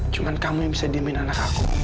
cuma kamu yang bisa diemin anak aku